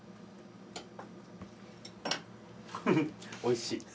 おいしい。